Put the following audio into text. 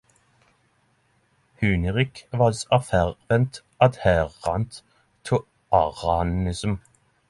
Huneric was a fervent adherent to Arianism.